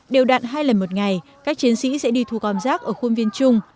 điều đạn hai lần một ngày các chiến sĩ sẽ đi thu gom rác ở khuôn viên chung